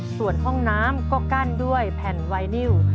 ส่วนห้องน้ำก็กั้นด้วยแผ่นไวนิว